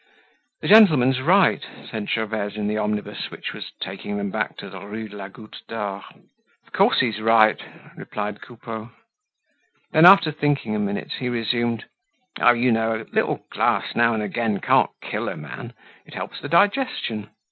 "The gentleman's right," said Gervaise in the omnibus which was taking them back to the Rue de la Goutte d'Or. "Of course he's right," replied Coupeau. Then, after thinking a minute, he resumed: "Oh! you know, a little glass now and again can't kill a man; it helps the digestion."